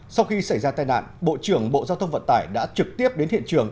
sau khi xảy ra tai nạn bộ trưởng bộ giao thông vận tải đã trực tiếp đến hiện trường